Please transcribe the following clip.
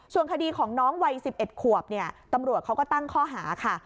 ส่วนคดีของน้องวัย๑๑ขวบเนี่ยตำรวจเขาก็ตั้งข้อหาค่ะ